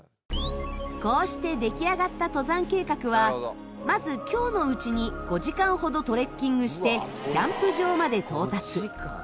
こうして出来上がった登山計画はまず今日のうちに５時間ほどトレッキングしてキャンプ場まで到達。